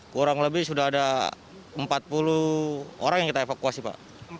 kurang lebih sudah ada empat puluh orang yang kita evakuasi pak